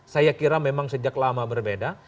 saya kira memang sejak lama berbeda